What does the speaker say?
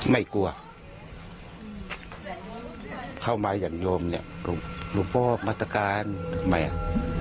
ไม่กลัวเข้ามาอย่างโยมเนี่ยหลวงพ่อมาตรการใหม่